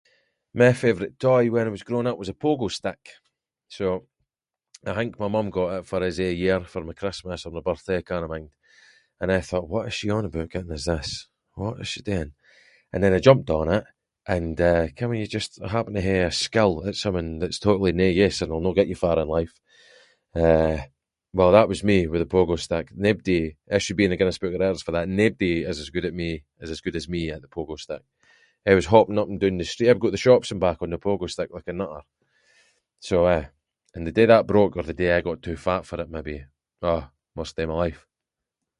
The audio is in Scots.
My favourite toy when I was growing up was a pogo stick, so I think my mum got it for us ai year for my Christmas or my birthday, I cannae mind, and I thought what is she on aboot getting us this, what is she doing, and then I jumped on it, and, eh, ken when you just happen to hae a skill at something that’s totally no use and will no get you far in life, eh, well that was me with the pogo stick, naebody- I should be in the Guinness book of records for that- naebody is as good at me- is as good as me at the pogo stick. I was hopping up and doon the street I would go to the shops and back on the pogo stick like a nutter, so eh. And the day that broke, or the day I got too fat for it maybe, ah, worst day of my life.